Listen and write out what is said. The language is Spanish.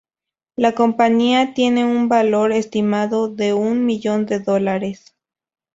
La compañía tiene un valor estimado de un millón de dólares.